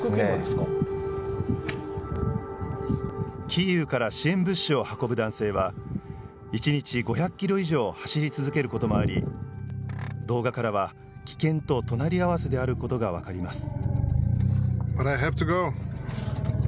キーウから支援物資を運ぶ男性は、１日５００キロ以上走り続けることもあり、動画からは、危険と隣り合わせであることが分かります。